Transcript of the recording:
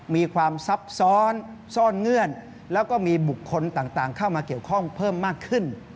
มีความซับซ้อนซ่อนเงื่อนแล้วก็มีบุคคลต่างเข้ามาเกี่ยวข้องเพิ่มมากขึ้น